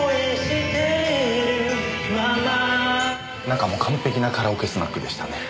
中も完璧なカラオケスナックでしたね。